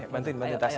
bantuin bantuin tasnya